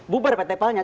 bubar pt pal nya